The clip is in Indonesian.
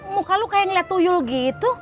muka lu kayak ngeliat tuyul gitu